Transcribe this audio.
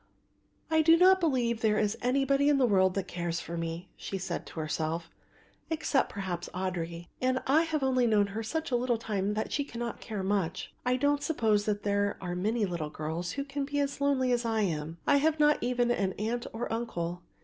"I do not believe there is anybody in the world that cares for me," she said to herself, "except perhaps Audry, and I have only known her such a little time that she cannot care much. I don't suppose there are many little girls who can be as lonely as I am. I have not even an aunt or uncle.